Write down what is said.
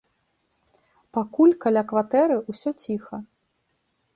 Пакуль каля кватэры ўсё ціха.